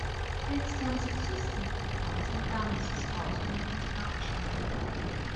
An extensive system of ponds and dams is also under construction.